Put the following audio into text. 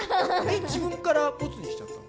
自分からボツにしちゃったの？